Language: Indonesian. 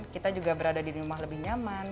kita juga berada di rumah lebih nyaman